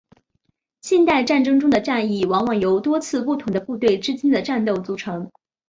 现代战争中的战役往往由多次不同的部队之间的战斗组成。